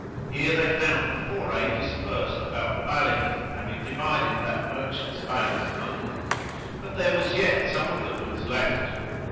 Here they found the foray dispersed about the valley, having divided that merchant's bales among them; but there was yet some of the goods left.